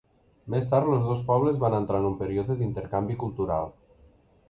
Més tard els dos pobles van entrar en un període d'intercanvi cultural.